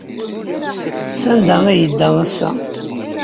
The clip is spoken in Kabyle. Sanda ay yedda ass-a?